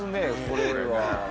これは。